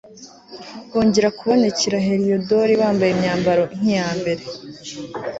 bongera kubonekera heliyodori bambaye imyambaro nk'iya mbere